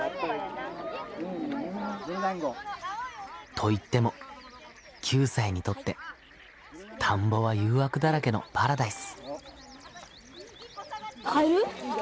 といっても９歳にとって田んぼは誘惑だらけのパラダイス。